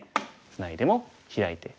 ツナいでもヒラいて。